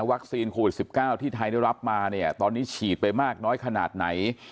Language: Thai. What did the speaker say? โควิด๑๙ที่ไทยได้รับมาเนี่ยตอนนี้ฉีดไปมากน้อยขนาดไหน